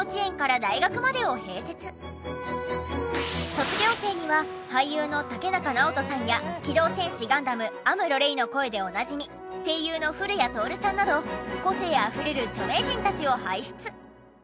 卒業生には俳優の竹中直人さんや『機動戦士ガンダム』アムロ・レイの声でおなじみ声優の古谷徹さんなど個性あふれる著名人たちを輩出。